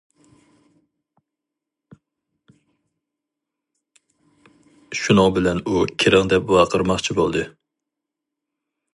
شۇنىڭ بىلەن ئۇ كىرىڭ دەپ ۋارقىرىماقچى بولدى.